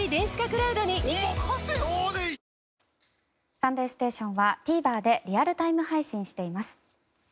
「サンデーステーション」はＴＶｅｒでリアルタイム配信しています。